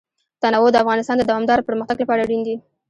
تنوع د افغانستان د دوامداره پرمختګ لپاره اړین دي.